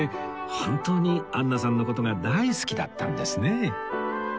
本当にアンナさんの事が大好きだったんですね